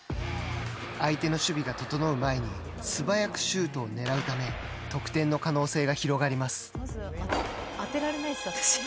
相手の守備が整う前に素早くシュートを狙うため得点の可能性が広がります。